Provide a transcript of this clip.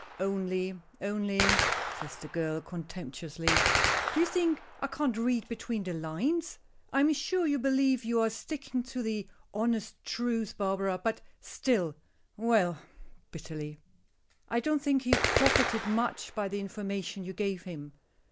only only," says the girl, contemptuously. "Do you think I can't read between the lines? I am sure you believe you are sticking to the honest truth, Barbara, but still Well," bitterly, "I don't think he profited much by the information you gave him.